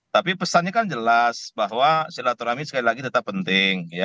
tapi pesannya kan jelas bahwa silaturahmi sekali lagi tetap penting